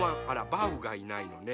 バウがいないのね。